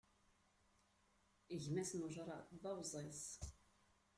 Gma-s,n ujṛad d abẓiẓ.